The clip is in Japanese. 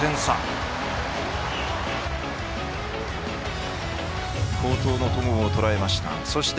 好投の戸郷を捉えました。